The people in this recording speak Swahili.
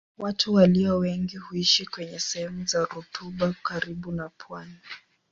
Watu walio wengi huishi kwenye sehemu za rutuba karibu na pwani.